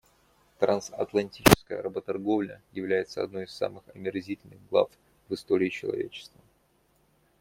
Трансатлантическая работорговля является одной из самых омерзительных глав в истории человечества.